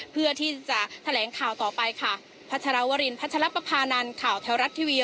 เพื่อที่จะแถลงข่าวต่อไปค่ะพัชรวรินพัชรปภานันข่าวแถวรัฐทีวี